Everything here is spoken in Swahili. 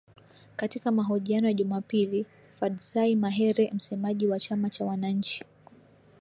Katika mahojiano ya Jumapili, Fadzayi Mahere, msemaji wa chama cha wananchi